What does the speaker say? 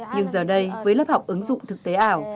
nhưng giờ đây với lớp học ứng dụng thực tế ảo